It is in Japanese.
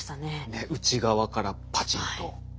ねっ内側からパチンと。